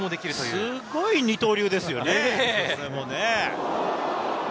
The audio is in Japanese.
すごい二刀流ですね。